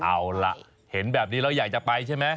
เอาล่ะเห็นแบบนี้แล้วอยากจะไปใช่ไหม